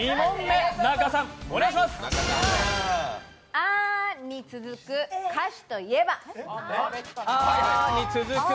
「あ」に続く歌詞といえば？